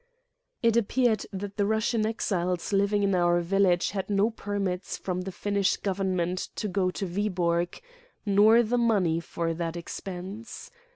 "It appeared that the Russian exiles living in pur village had no permits from the Finnish Gov ernment to go to Viborg, nor the money for that . expense.